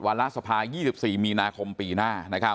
วาระสภาพ๒๔มีนาคมปีหน้านะครับ